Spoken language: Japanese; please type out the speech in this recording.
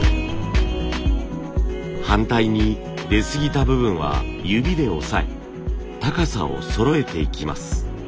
反対に出過ぎた部分は指で押さえ高さをそろえていきます。